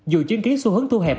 dù chứng kiến xu hướng thu hẹp